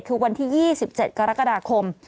คือวันที่๒๗กรกฎาคม